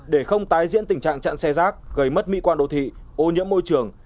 để không tái diễn tình trạng chặn xe rác gây mất mỹ quan đô thị ô nhiễm môi trường